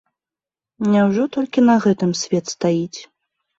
Няўжо толькі на гэтым свет стаіць?